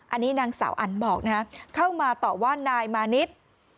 อันนี้นางสาวอันบอกนะฮะเข้ามาต่อว่านายมานิด